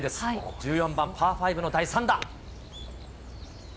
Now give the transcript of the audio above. １４番パー５の第３打。